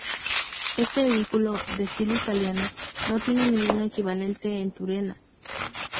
Este edículo, de estilo italiano, no tiene ningún equivalente en Turena.